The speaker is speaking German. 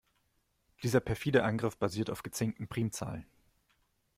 Dieser perfide Angriff basiert auf gezinkten Primzahlen.